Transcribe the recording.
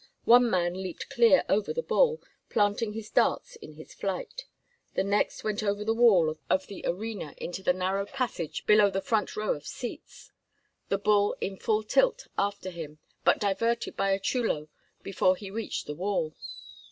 One man leaped clear over the bull, planting his darts in his flight. The next went over the wall of the arena into the narrow passage below the front row of seats, the bull in full tilt after him, but diverted by a chulo before he reached the wall.